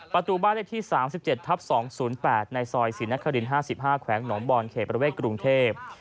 ประตูบ้านเลขที่๓๗ทับ๒๐๘ในซอยศรีนคริน๕๕แขวงหนองบอลเขตประเวทกรุงเทพ